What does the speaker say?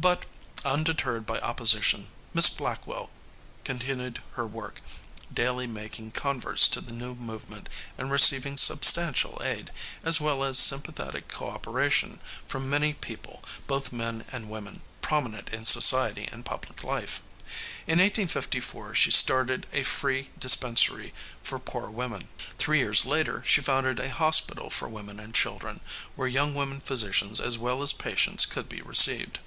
But, undeterred by opposition, Miss Blackwell continued her work, daily making converts to the new movement and receiving substantial aid, as well as sympathetic coöperation, from many people, both men and women, prominent in society and public life. In 1854 she started a free dispensary for poor women. Three years later she founded a hospital for women and children, where young women physicians as well as patients could be received.